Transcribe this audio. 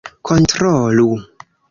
kontrolu